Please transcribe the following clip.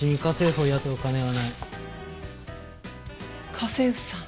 家政婦さん？